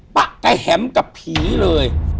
ปะกะแหมกับผีเลย